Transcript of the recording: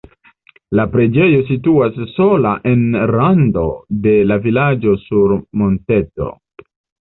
La preĝejo situas sola en rando de la vilaĝo sur monteto.